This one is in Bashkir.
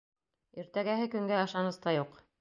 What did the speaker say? Иртәгәһе көнгә ышаныс та юҡ.